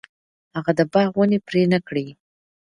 هغه د باغ ونې پرې نه کړې.